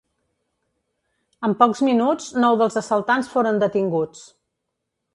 En pocs minuts nou dels assaltants foren detinguts.